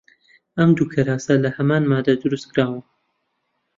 ئەم دوو کراسە لە هەمان ماددە دروست کراون.